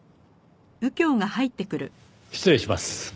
失礼します。